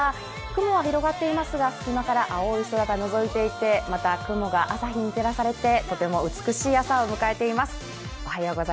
雲は広がっていますが隙間から青い空がのぞいていてまた、雲が朝日に照らされてとても美しい朝を迎えています。